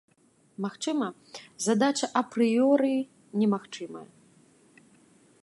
Магчыма, задача апрыёры немагчымая.